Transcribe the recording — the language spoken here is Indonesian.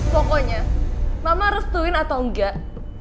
pokoknya mama restuin atau enggak